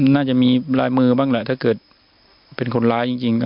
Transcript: น่าจะมีลายมือบ้างแหละถ้าเกิดเป็นคนร้ายจริงก็